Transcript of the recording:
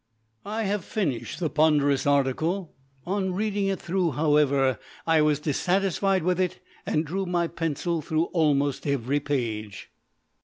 I have finished the ponderous article. On reading it through, however, I was dissatisfied with it, and drew my pencil through almost every page.